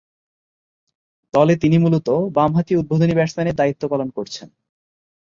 দলে তিনি মূলতঃ বামহাতি উদ্বোধনী ব্যাটসম্যানের দায়িত্ব পালন করছেন।